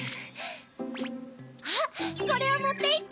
あっこれをもっていって！